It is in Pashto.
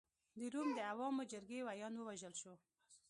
د روم د عوامو جرګې ویاند ووژل شو.